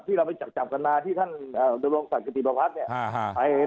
ที่เราไปจับกันมาที่ท่านบริษัทกฤติบาปรัชน์เนี่ย